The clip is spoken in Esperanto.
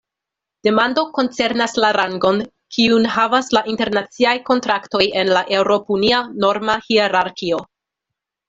Demando koncernas la rangon, kiun havas la internaciaj kontraktoj en la eŭropunia norma hierarkio.